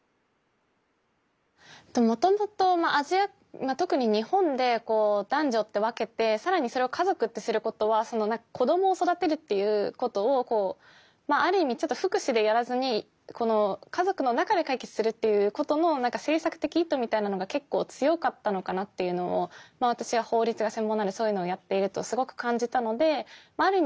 もともとアジア特に日本で男女って分けて更にそれを家族ってすることは子供を育てるっていうことをある意味ちょっと福祉でやらずに家族の中で解決するっていうことの政策的意図みたいなのが結構強かったのかなっていうのを私は法律が専門なのでそういうのをやっているとすごく感じたのである意味